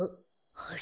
あれ？